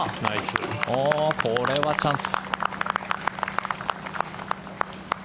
これはチャンス。